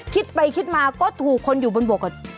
คิดไปคิดมาก็ถูกคนอยู่บนบุตรครับ